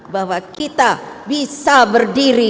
bahwa kita bisa berdiri